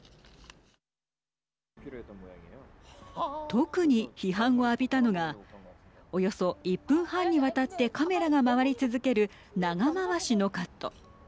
特に批判を浴びたのがおよそ１分半にわたってカメラが回り続ける長回しのカット。